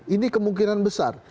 ini kemungkinan besar